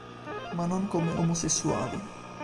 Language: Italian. Ma non come omosessuali".